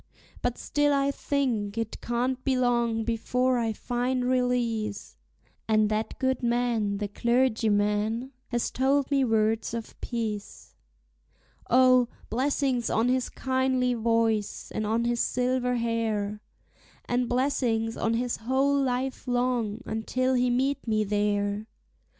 But still I think it can't be long before I find release; And that good man, the clergyman, has told me words of peace. O, blessings on his kindly voice, and on his silver hair, And blessings on his whole life long, until he meet me there!